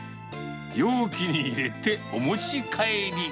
容器に入れて、お持ち帰り。